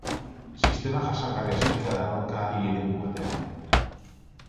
Sistema jasangarria eskaintzea da erronka, hiri-eremu batean.